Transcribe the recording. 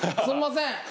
すんません。